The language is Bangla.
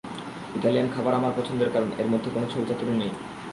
ইতালিয়ান খাবার আমার পছন্দের কারণ এর মধ্যে কোনো ছলচাতুরী নেই।